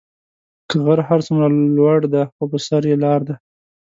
كه غر هر سومره لور دي خو به سر ئ لار دي.